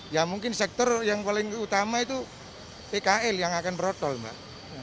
ya mungkin sektor yang paling utama itu pkl yang akan protol mbak